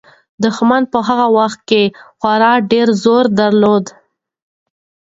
دښمن په هغه وخت کې خورا ډېر زور درلود.